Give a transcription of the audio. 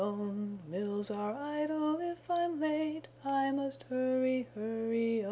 Mills are idle if I'm late; I must hurry, hurry on."